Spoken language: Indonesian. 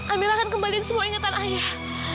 amirah akan kembalikan semua ingatan ayah